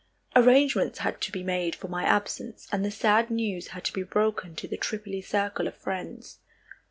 Arrangements had to be made for my absence, and the sad news had to be broken to the Tripoli circle of friends.